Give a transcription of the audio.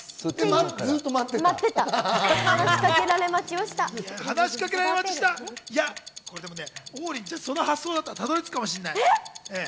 いや、その発想だったら、たどり着くかもしれない。